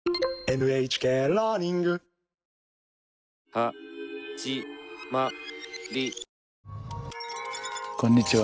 はじまりこんにちは。